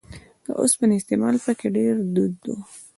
د اوسپنې استعمال په کې ډېر دود و